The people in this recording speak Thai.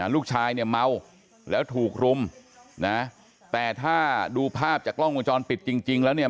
ลูกชายเนี่ยเมาแล้วถูกรุมนะแต่ถ้าดูภาพจากกล้องวงจรปิดจริงแล้วเนี่ย